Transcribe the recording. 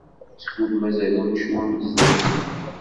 Skud mazal amcum sdat-i.